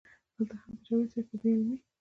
دلته هم د جاوېد صېب پۀ بې علمۍ